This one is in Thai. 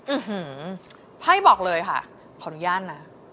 ื้อหือไพ่บอกเลยค่ะขออนุญาตนะ